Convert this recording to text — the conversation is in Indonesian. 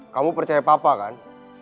kamu percaya papa kan